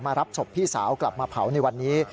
รับศพพี่สาวกลับมาเผาในวันนี้